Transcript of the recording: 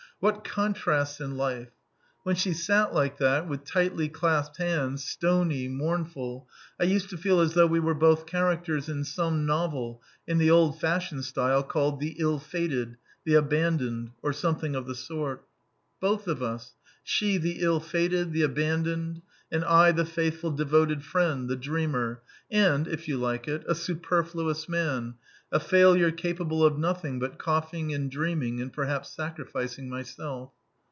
_" what contrasts in life! When she sat like that, with tightly clasped hands, stony, mournful, I used to feel as though we were both characters in some novel in the old fashioned style called "The Ill fated," "The Abandoned," or something of the sort. Both of us: she the ill fated, the abandoned; and I the faithful, devoted friend, the dreamer, and, if you like it, a superfluous man, a failure capable of nothing but coughing and dreaming, and perhaps sacrificing myself.